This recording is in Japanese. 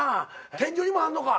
天井にもあるのか。